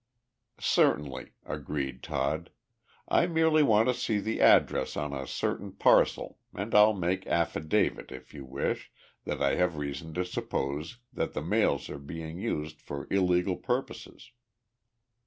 "Certainly," agreed Todd. "I merely want to see the address on a certain parcel and I'll make affidavit, if you wish, that I have reason to suppose that the mails are being used for illegal purposes."